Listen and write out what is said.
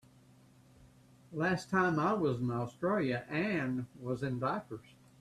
Last time I was in Australia Anne was in diapers.